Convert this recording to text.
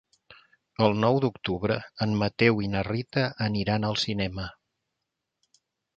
El nou d'octubre en Mateu i na Rita aniran al cinema.